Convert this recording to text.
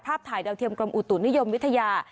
ถ่ายดาวเทียมกรมอุตุนิยมวิทยา